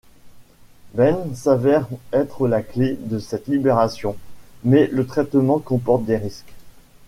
Ben s'avère être la clé de cette libération, mais le traitement comporte des risques.